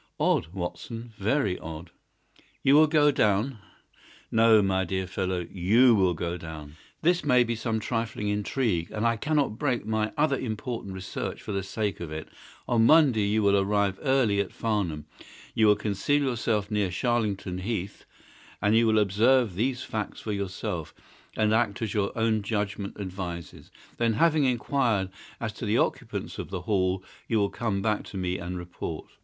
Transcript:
Odd, Watson—very odd!" "You will go down?" "No, my dear fellow, YOU will go down. This may be some trifling intrigue, and I cannot break my other important research for the sake of it. On Monday you will arrive early at Farnham; you will conceal yourself near Charlington Heath; you will observe these facts for yourself, and act as your own judgment advises. Then, having inquired as to the occupants of the Hall, you will come back to me and report.